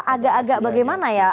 agak agak bagaimana ya